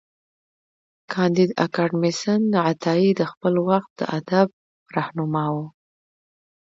کانديد اکاډميسن عطايي د خپل وخت د ادب رهنما و.